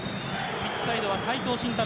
ピッチサイドは齋藤慎太郎